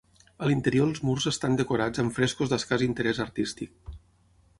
A l'interior els murs estan decorats amb frescos d'escàs interès artístic.